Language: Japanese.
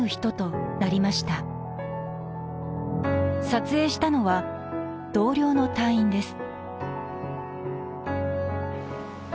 撮影したのは同僚の隊員です。